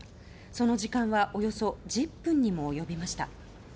その時間はおよそ１０分にも及びました。